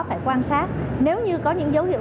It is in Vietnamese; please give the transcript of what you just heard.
phải quan sát nếu như có những dấu hiệu